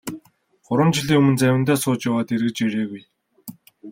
Гурван жилийн өмнө завиндаа сууж яваад эргэж ирээгүй.